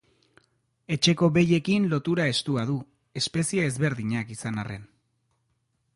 Etxeko behiekin lotura estua du, espezie ezberdinak izan arren.